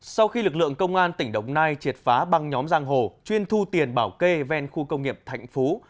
sau khi lực lượng công an tỉnh đồng nai triệt phá băng nhóm giang hồ chuyên thu tiền bảo kê ven khu công nghiệp thạnh phú